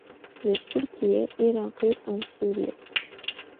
Li Tirkiyê, Iraqê an Sûriyê?